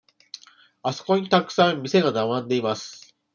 あそこにたくさん店が並んでいます。